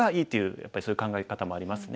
やっぱりそういう考え方もありますね。